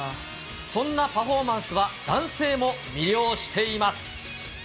そんなパフォーマンスは男性も魅了しています。